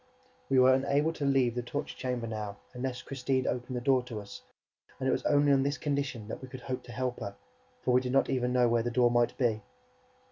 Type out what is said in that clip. We were unable to leave the torture chamber now, unless Christine opened the door to us; and it was only on this condition that we could hope to help her, for we did not even know where the door might be.